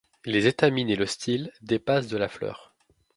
Les étamines et le style dépassent de la fleur.